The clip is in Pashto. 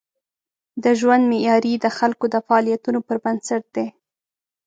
د ژوند معیاري د خلکو د فعالیتونو پر بنسټ دی.